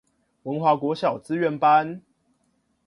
文華國小資源班